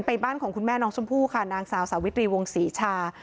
บ้านของคุณแม่น้องชมพู่ค่ะนางสาวสาวิตรีวงศรีชา